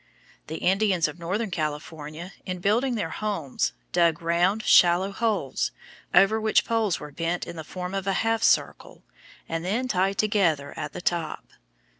The Indians of northern California in building their homes dug round, shallow holes, over which poles were bent in the form of a half circle, and then tied together at the top.